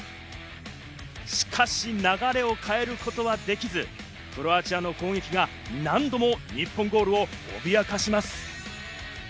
しかし、流れを変えることはできず、クロアチアの攻撃が何度も日本ゴールを脅かします。